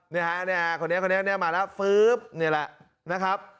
นี่ค่ะคนนี้มาแล้วฟึ้บนี่แหละนะครับ